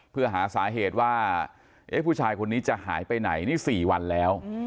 เพื่อหาสาเหตุว่าผู้ชายคนนี้จะหายไปไหนนี่๔วันแล้ว